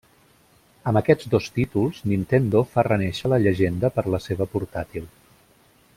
Amb aquests dos títols Nintendo fa renéixer la llegenda per a la seva portàtil.